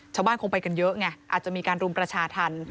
ชาวบ้านคงไปกันเยอะไงอาจจะมีการรุมประชาทัน